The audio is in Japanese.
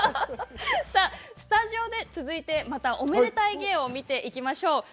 スタジオで続いてはおめでたい芸を見ていきましょう。